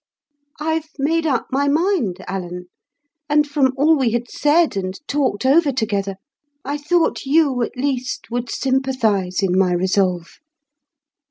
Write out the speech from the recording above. "I've made up my mind, Alan; and from all we had said and talked over together, I thought you at least would sympathise in my resolve."